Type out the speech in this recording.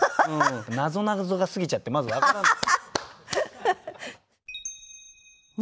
なぞなぞが過ぎちゃってまず分からない。